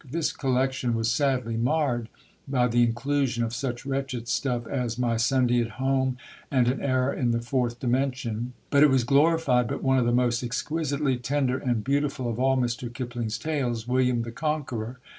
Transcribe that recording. This collection was sadly marred by the inclusion of such wretched stuff as My Sunday at Home, and An Error in the Fourth Dimension; but it was glorified by one of the most exquisitely tender and beautiful of all Mr. Kipling's tales, William the Conqueror.